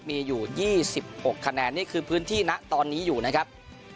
มีอยู่๒๖คะแนนนี่คือพื้นที่นะตอนนี้อยู่นะครับ